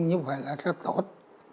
như vậy là rất tốt